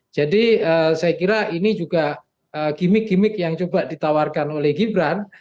jadi saya kira ini juga gimmick gimmick yang coba ditawarkan oleh gibran